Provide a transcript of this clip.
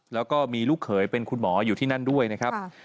แล้วก็มีลูกเขยเป็นคุณหมออยู่ที่นั่นด้วยนะครับ